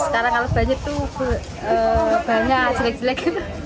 sekarang kalau banjir tuh banyak jelek jelek